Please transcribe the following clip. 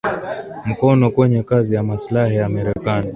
mkono kwenye kazi ya maslahi ya Marekani